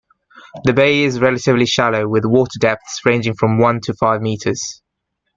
The bay is relatively shallow, with water depths ranging from one to five meters.